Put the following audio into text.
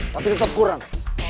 tapi tetep kurang